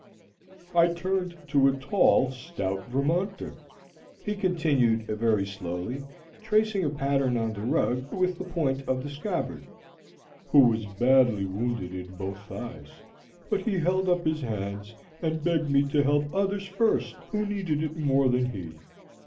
"I turned to a tall, stout Vermonter," he continued very slowly, tracing a pattern on the rug with the point of the scabbard, "who was badly wounded in both thighs, but he held up his hands and begged me to help others first who needed it more than he.